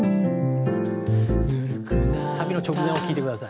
サビの直前を聴いてください。